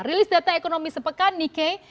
rilis data ekonomi sepekan nike